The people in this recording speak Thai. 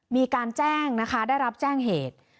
มีการแจ้งนะคะได้รับแจ้งเหตุ